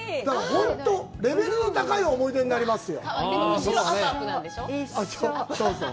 本当、レベルの高い思い出になりますよ。